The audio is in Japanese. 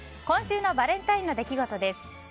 今週のバレンタインの出来事です。